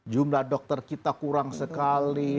jumlah dokter kita kurang sekali